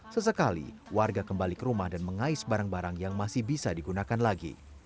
sesekali warga kembali ke rumah dan mengais barang barang yang masih bisa digunakan lagi